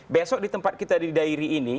besok di tempat kita di dairi ini